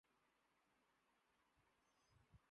Muhabbat Adawat Wafa Berukhi